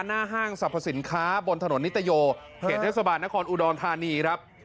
ห้างสรรพสินค้าบนถนนนิตโยเขตเทศบาลนครอุดรธานีครับ